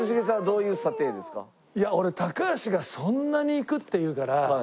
いや俺高橋が「そんなにいく？」って言うから。